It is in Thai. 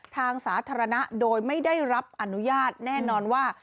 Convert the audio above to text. ทางสาธารณะโดยไม่ได้รับอนุญาตแน่นอนว่า